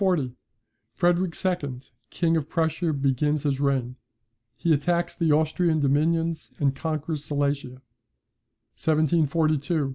Frederick II, King of Prussia, begins his reign. He attacks the Austrian dominions, and conquers Silesia.